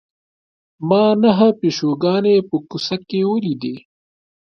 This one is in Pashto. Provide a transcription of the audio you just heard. ما نهه پیشوګانې په کوڅه کې ولیدې.